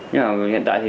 nhưng mà hiện tại thì